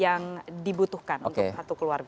yang dibutuhkan untuk satu keluarga